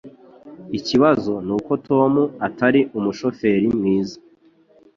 Ikibazo nuko Tom atari umushoferi mwiza.